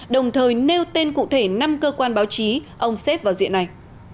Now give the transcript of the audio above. đồng thời nêu tên cụ thể năm cơ quan báo chí ông xếp vào diện này